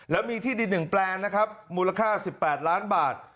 แล้วมีที่ดิน๑แปลงนะครับมูลค่า๑๘ล้านบาท